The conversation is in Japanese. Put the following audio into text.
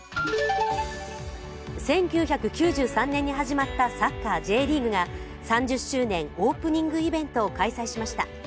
１９９３年に始まったサッカー・Ｊリーグが３０周年オープニングイベントを開催しました。